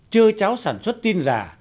chơi cháo sản xuất tin giả